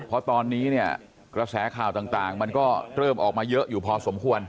เพราะตอนนี้เนี่ยกระแสข่าวต่างมันก็เริ่มออกมาเยอะอยู่พอสมควร